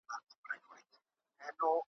لښکر راغلی د طالبانو ,